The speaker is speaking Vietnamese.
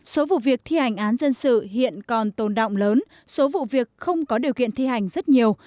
số vụ việc thi hành án dân sự hiện còn tồn động lớn số vụ việc không có điều kiện thi hành rất nhiều